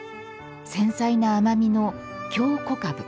繊細な甘味の京こかぶ。